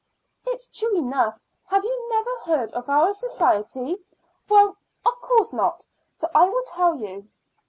"It's true enough. Have you never heard of our society? Well, of course not, so I will tell you.